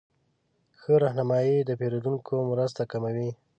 ښه رهنمایي د پیرودونکو مرسته کوي.